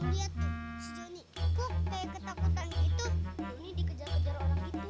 lo liat tuh si joni kok kaya ketakutannya itu